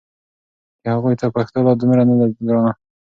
چې هغوی ته پښتو لا دومره نه ده ګرانه